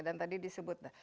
dan tadi disebut